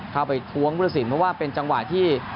เข้าไปท้วงภูทธสินเพราะว่าเป็นจังหวะที่